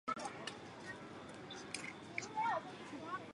由新恒基国际物业管理有限公司负责屋邨管理。